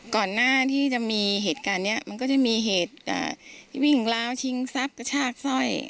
ก่อนหน้าที่จะมีเหตุการณ์นี้มันก็จะมีเหตุวิ่งราวชิงทรัพย์กระชากสร้อย